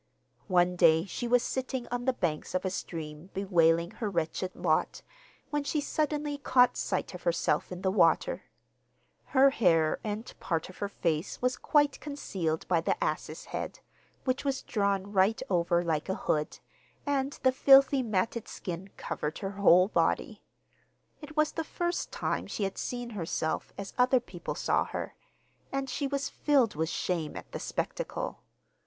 One day she was sitting on the banks of a stream bewailing her wretched lot, when she suddenly caught sight of herself in the water. Her hair and part of her face was quite concealed by the ass's head, which was drawn right over like a hood, and the filthy matted skin covered her whole body. It was the first time she had seen herself as other people saw her, and she was filled with shame at the spectacle.